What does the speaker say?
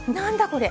これ！